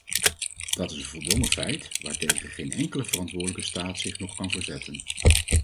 Dat is een voldongen feit, waartegen geen enkele verantwoordelijke staat zich nog kan verzetten.